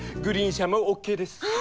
グリーン車もＯＫです。